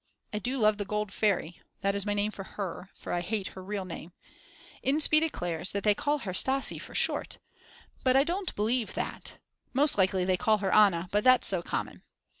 I do love the Gold Fairy, that is my name for her, for I hate her real name. Inspee declares that they call her Stasi for short, but I don't believe that; most likely they call her Anna, but that's so common.